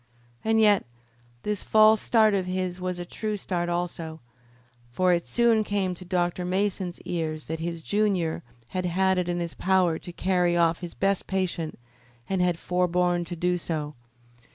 And yet this false start of his was a true start also, for it soon came to Dr. Mason's ears that his junior had had it in his power to carry off his best patient and had forborne to do so.